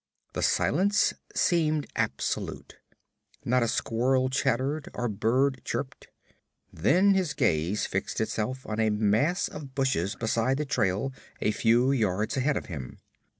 The silence seemed absolute. Not a squirrel chattered or bird chirped. Then his gaze fixed itself on a mass of bushes beside the trail a few yards ahead of him.